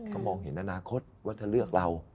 ก็มองเห็นอนาคตว่าถ้าเลือกเรา